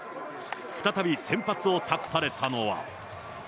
再び先発を託されたのは。